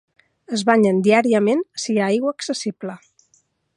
Es banyen diàriament si hi ha aigua accessible.